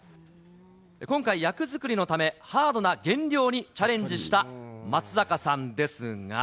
今回、役作りのため、ハードな減量にチャレンジした松坂さんですが。